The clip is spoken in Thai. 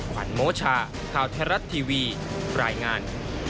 ขวัญโมชาข่าวไทยรัฐทีวีรายงาน